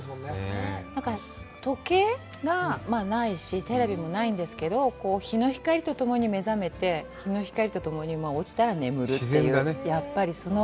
時計がないし、テレビもないんですけど、日の光と共に目覚めて、日の光とともに落ちたら眠るという自然だね。